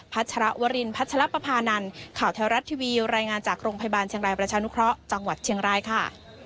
ชรวรินพัชรปภานันข่าวแท้รัฐทีวีรายงานจากโรงพยาบาลเชียงรายประชานุเคราะห์จังหวัดเชียงรายค่ะ